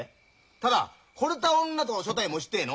ただほれた女と所帯持ちてえの。